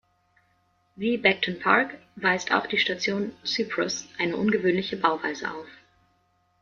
Wie Beckton Park weist auch die Station Cyprus eine ungewöhnliche Bauweise auf.